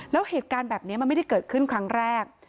แล้วเหตุการณ์แบบนี้มันไม่ได้เกิดขึ้นครั้งแรก